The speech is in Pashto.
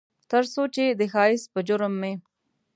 ترڅو چې د ښایست په جرم مې